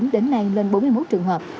đến nay lên bốn mươi một trường hợp